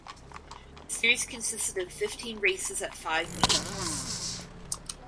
The series consisted of fifteen races at five meetings.